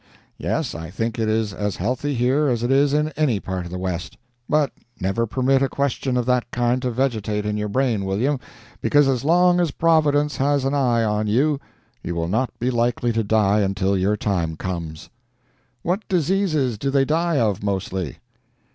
Yes, I think it is as healthy here as it is in any part of the West. But never permit a question of that kind to vegetate in your brain, William, because as long as providence has an eye on you, you will not be likely to die until your time comes. "What diseases do they die of mostly?"